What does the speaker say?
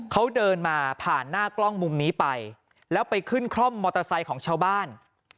เขาเดินมาผ่านหน้ากล้องมุมนี้ไปแล้วไปขึ้นคล่อมมอเตอร์ไซค์ของชาวบ้าน